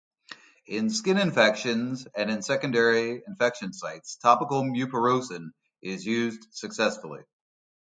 In skin infections and in secondary infection sites topical mupirocin is used successfully.